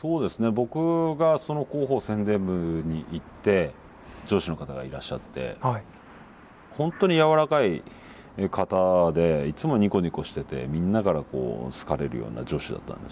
僕がその広報宣伝部に行って上司の方がいらっしゃって本当に柔らかい方でいつもニコニコしててみんなから好かれるような上司だったんですけど。